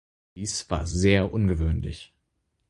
Dies war sehr ungewöhnlich.